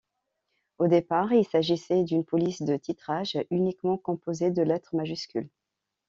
Au départ, il s’agissait d’une police de titrage uniquement composée de lettres majuscules.